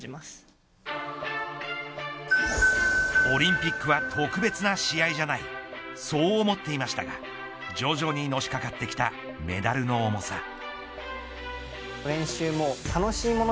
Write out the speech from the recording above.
オリンピックは特別な試合じゃないそう思っていましたが徐々にのしかかってきたメダルの重さ。